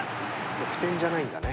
得点じゃないんだね。